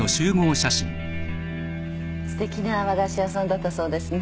すてきな和菓子屋さんだったそうですね。